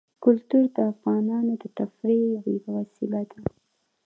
کلتور د افغانانو د تفریح یوه وسیله ده.